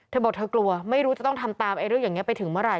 เธอบอกเธอกลัวไม่รู้จะต้องทำตามเรื่องอย่างนี้ไปถึงเมื่อไห